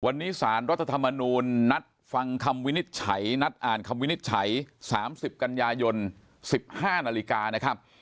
วันนี้สารรัฐธรรมนูญนัดฟังคำวินิจฉัยนัดอ่านคำวินิจฉัย๓๐กันยายน๑๕นาฬิกานะครับ